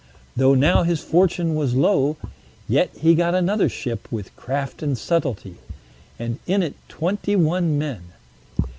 Though now his fortune was low, yet he got another ship with craft and subtlety, and in it twenty one men.